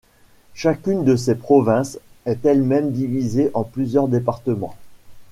Chacune de ces provinces est elle-même divisée en plusieurs départements.